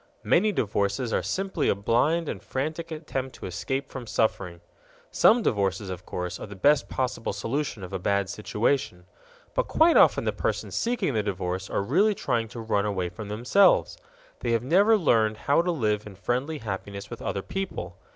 Many divorces are simply a blind and frantic attempt to escape from suffering. Some divorces, of course, are the best possible solution of a bad situation. But quite often the persons seeking the divorce are really trying to run away from themselves. They have never learned how to live in friendly happiness with other people.